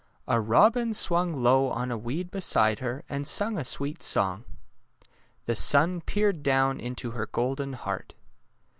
A robin swung low on a weed beside her and sung a sweet song. The sun peered down into her golden heart.